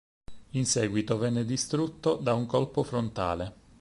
In seguito venne distrutto da un colpo frontale.